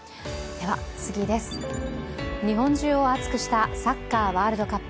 日本中を熱くしたサッカーワールドカップ。